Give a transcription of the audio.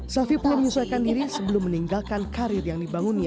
selvi belum menyelesaikan diri sebelum meninggalkan karir yang dibangunnya